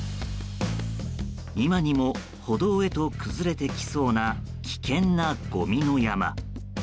今にも歩道へと崩れてきそうな危険なごみの山。